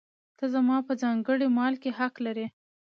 ته زما په ځانګړي مال کې حق لرې.